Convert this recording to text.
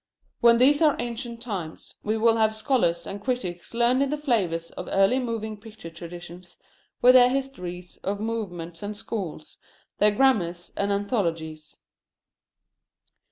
When these are ancient times, we will have scholars and critics learned in the flavors of early moving picture traditions with their histories of movements and schools, their grammars, and anthologies.